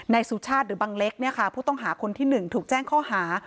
สุชาติหรือบังเล็กผู้ต้องหาคนที่๑ถูกแจ้งข้อหา